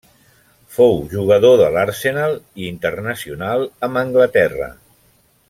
Fou jugador de l'Arsenal i internacional amb Anglaterra.